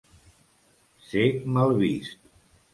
Ser mal vist.